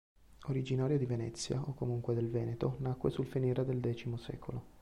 Originario di Venezia o comunque del Veneto, nacque sul finire del X secolo.